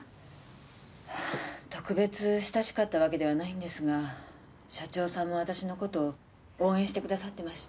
特別親しかったわけではないんですが社長さんも私のことを応援してくださってました。